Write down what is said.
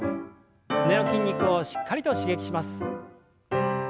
すねの筋肉をしっかりと刺激します。